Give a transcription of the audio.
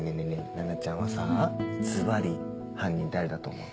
菜奈ちゃんはさぁずばり犯人誰だと思う？